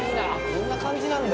こんな感じなんだ。